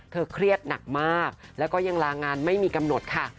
เครียดหนักมากแล้วก็ยังลางานไม่มีกำหนดค่ะ